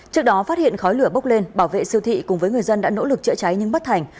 trước đó phát hiện khói lửa bốc lên bảo vệ siêu thị cùng với người dân đã nỗ lực chữa cháy nhưng bất thành